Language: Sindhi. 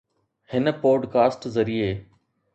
هن پوڊ ڪاسٽ ذريعي